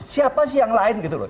siapa sih yang lain gitu loh